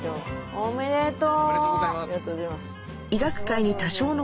おめでとう。